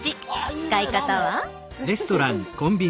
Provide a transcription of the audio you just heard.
使い方は。